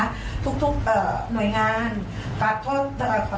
หนูต้องขอกราบขอโทษนะคะทุกหน่วยงาน